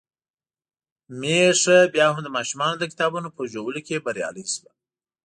ميښه بيا هم د ماشومانو د کتابونو په ژولو کې بريالۍ شوه.